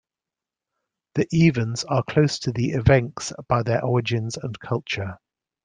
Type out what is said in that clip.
The Evens are close to the Evenks by their origins and culture.